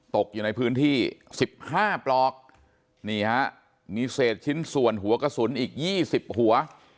ตกอยู่ในพื้นที่๑๕ปลอกนี่ฮะมีเศษชิ้นส่วนหัวกระสุนอีก๒๐หัว